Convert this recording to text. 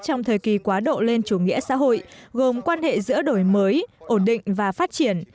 trong thời kỳ quá độ lên chủ nghĩa xã hội gồm quan hệ giữa đổi mới ổn định và phát triển